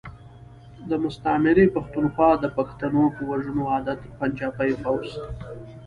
د مستعمرې پختونخوا د پښتنو په وژنو عادت پنجابی فوځ.